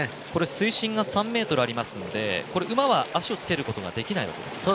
水深が３ｍありますので馬が脚をつけることができないわけですね。